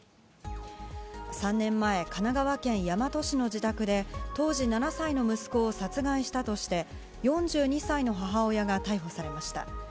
３年前、神奈川県大和市の自宅で当時７歳の息子を殺害したとして４２歳の母親が逮捕されました。